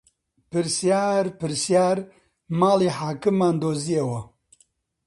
پرسیار-پرسیار ماڵی حاکممان دۆزیەوە